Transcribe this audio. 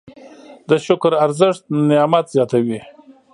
د شکر ارزښت نعمت زیاتوي.